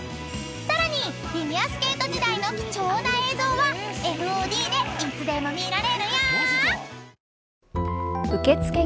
［さらにフィギュアスケート時代の貴重な映像はＦＯＤでいつでも見られるよ］